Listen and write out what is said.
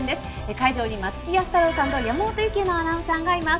会場に松木安太郎さんと山本雪乃アナウンサーがいます。